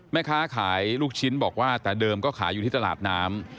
แม่ค้าขายลูกชิ้นบอกว่าแต่เดิมก็ขายอยู่ที่ตลาดน้ำ